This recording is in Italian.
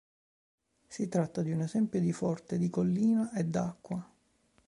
Si tratta di un esempio di forte di collina e d'acqua.